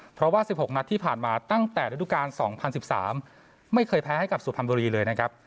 เพราะว่าสิบหกนัดที่ผ่านมาตั้งแต่ระดุการณ์สองพันสิบสามไม่เคยแพ้ให้กับสุพรณบุรีเลยนะครับ